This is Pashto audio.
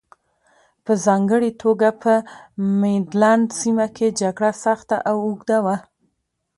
په ځانګړې توګه په مینډلنډ سیمه کې جګړه سخته او اوږده وه.